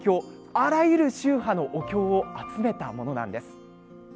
あらゆる宗派のお経を集めたものなんです。